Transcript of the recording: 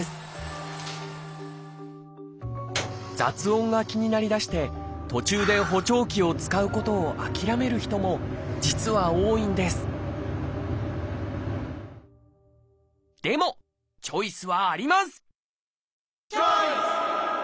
雑音が気になりだして途中で補聴器を使うことを諦める人も実は多いんですでもチョイスはあります！